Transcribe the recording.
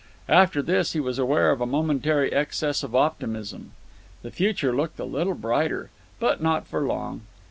After this he was aware of a momentary excess of optimism. The future looked a little brighter. But not for long.